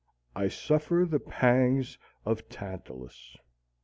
I suffer the pangs of Tantalus.